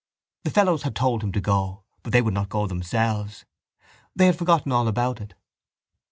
The fellows had told him to go but they would not go themselves. They had forgotten all about it.